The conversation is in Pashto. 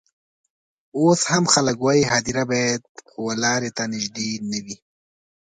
اوس هم خلک وايي هدیره باید و لاري ته نژدې نه وي.